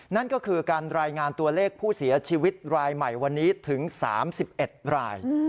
นั่นก็คือการรายงานตัวเลขผู้เสียชีวิตรายใหม่วันนี้ถึง๓๑ราย